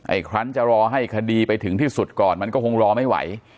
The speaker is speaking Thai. อีกครั้งจะรอให้คดีไปถึงที่สุดก่อนมันก็คงรอไม่ไหว